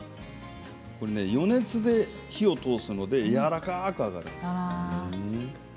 余熱で火を通すのでやわらかく上がります。